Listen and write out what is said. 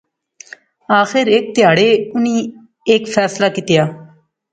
آخر ہیک تہاڑے انی ہیک فیصلہ کیتیا